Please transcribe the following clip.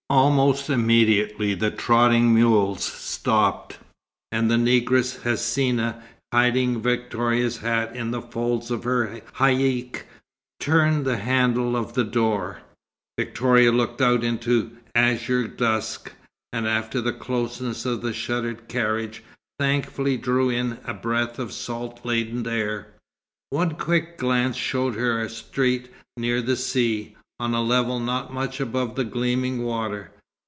Almost immediately the trotting mules stopped, and the negress Hsina, hiding Victoria's hat in the folds of her haïck, turned the handle of the door. Victoria looked out into azure dusk, and after the closeness of the shuttered carriage, thankfully drew in a breath of salt laden air. One quick glance showed her a street near the sea, on a level not much above the gleaming water.